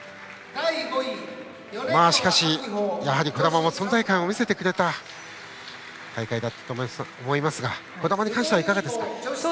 しかし、児玉も存在感を見せてくれた大会だったと思いますが児玉に関しては、いかがですか？